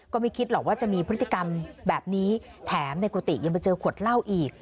ก็ไม่คิดหรอกว่าจะมีพฤติกรรมแบบนี้แถมในกุฏิยังไปเจอขวดเหล้าอีก